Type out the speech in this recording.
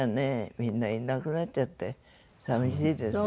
みんないなくなっちゃって寂しいですよ。